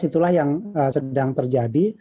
itulah yang sedang terjadi